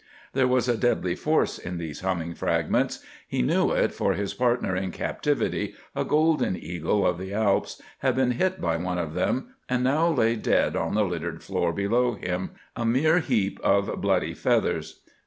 There was a deadly force in these humming fragments. He knew it, for his partner in captivity, a golden eagle of the Alps, had been hit by one of them, and now lay dead on the littered floor below him, a mere heap of bloody feathers.